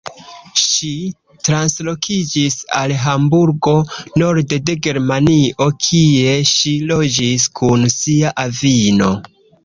Ŝi translokiĝis al Hamburgo, norde de Germanio, kie ŝi loĝis kun sia avino.